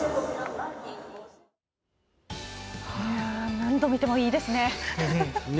何度見ても、いいですね。